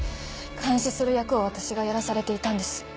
監視する役を私がやらされていたんです。